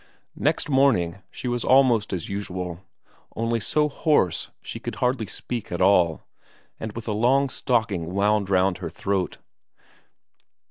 Next morning she was almost as usual, only so hoarse she could hardly speak at all, and with a long stocking wound round her throat.